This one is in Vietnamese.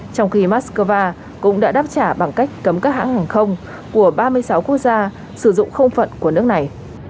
trong khi moscow cũng đã đáp trả bằng cách cấm các hãng hàng không của ba mươi sáu quốc gia sử dụng không phận của nước này